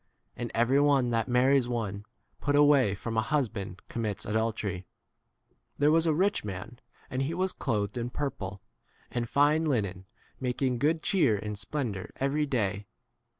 And every one that marries one put away from a husband commits adultery. 19 There was a rich man, and he was clothed in purple and fine linen, making good cheer in splen 20 dour every day.